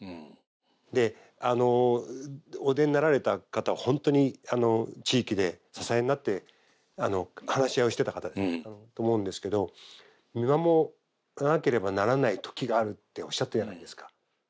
であのお出になられた方は本当に地域で支えになって話し合いをしてた方だと思うんですけど見守らなければならない時があるっておっしゃったじゃないですか。